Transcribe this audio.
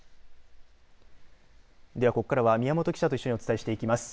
ではここからは宮本記者とお伝えしていきます。